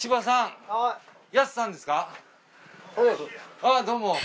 ああどうも。